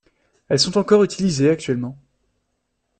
Elles sont encore utilisées actuellement.